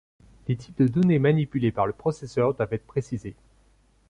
Les types de données manipulés par le processeur doivent être précisés.